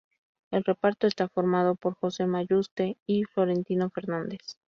El reparto está formado por Josema Yuste y Florentino Fernández.